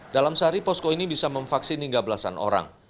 dalam sehari posko ini bisa memvaksin hingga belasan orang